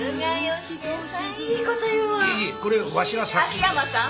秋山さん